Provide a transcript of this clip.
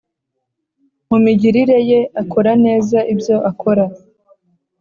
mu migirire ye akora neza ibyo akora